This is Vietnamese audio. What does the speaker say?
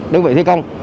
đơn vị thi công